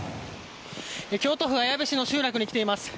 京都府綾部市の集落に来ています。